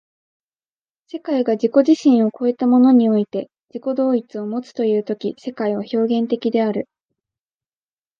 世界が自己自身を越えたものにおいて自己同一をもつという時世界は表現的である。